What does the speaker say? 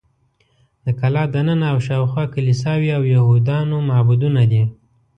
د کلا دننه او شاوخوا کلیساوې او یهودانو معبدونه دي.